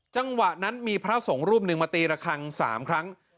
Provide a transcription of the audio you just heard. จังหวะนั้นมีพระสงฆ์รูปหนึ่งมาตีระคัง๓ครั้ง